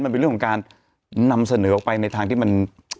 มันเป็นเรื่องของการนำเสนอออกไปในทางที่มัน